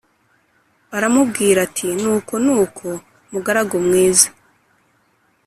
Aramubwira ati nuko nuko mugaragu mwiza